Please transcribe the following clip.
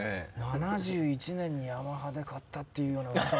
７１年にヤマハで買ったっていうようなうわさも。